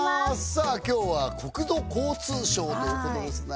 さあ今日は国土交通省ということですね